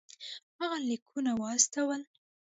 هغه لیکونه واستول.